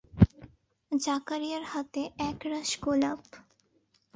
জাকারিয়ার হাতে একরাশ গোলাপ।